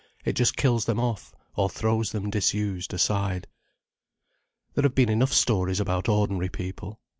It just kills them off or throws them disused aside. There have been enough stories about ordinary people.